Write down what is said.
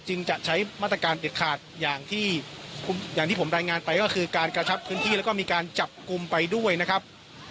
จะใช้มาตรการเด็ดขาดอย่างที่อย่างที่ผมรายงานไปก็คือการกระชับพื้นที่แล้วก็มีการจับกลุ่มไปด้วยนะครับ